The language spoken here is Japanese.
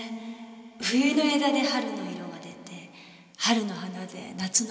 冬の枝で春の色が出て春の花で夏の色が出るなんて。